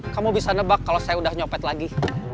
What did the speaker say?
kamu bisa nebak kalau saya udah nyopet lagi